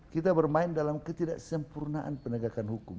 kita bermain dalam ketidaksempurnaan penegakan hukum